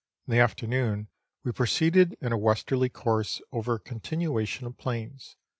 In the afternoon we proceeded in a westerly course over a continuation of plains.